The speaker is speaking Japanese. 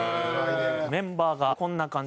メンバーがこんな感じで。